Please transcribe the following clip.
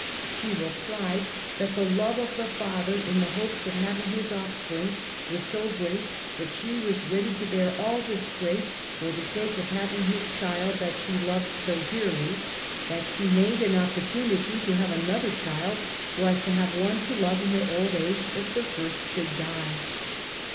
She replied that the love of the father in the hopes of having his offspring was so great that she pvas ready to bear all disgrace for the sake of having ^ his child that she loved so dearly, that she made an. 64 UNMASKED. \ /opportunity to have another child, so as to have one ^! to love in her old age if the first should die.